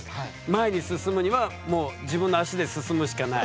前に進むにはもう自分の足で進むしかない。